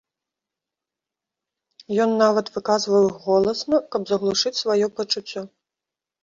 Ён нават выказваў іх голасна, каб заглушыць сваё пачуццё.